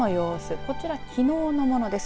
こちら、きのうのものです。